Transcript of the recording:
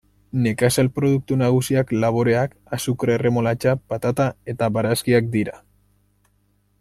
Nekazal produktu nagusiak laboreak, azukre-erremolatxa, patata eta barazkiak dira.